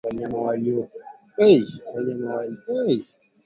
Wanyama walioambukizwa wanaweza kufa wasipopatiwa matibabu